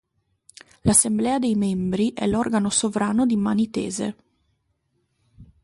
L'assemblea dei membri è l'organo sovrano di Mani Tese.